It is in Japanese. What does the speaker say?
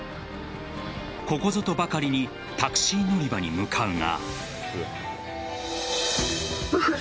ここぞとばかりにタクシー乗り場に向かうが。